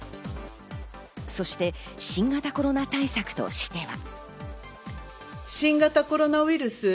そして新型コロナ対策としては。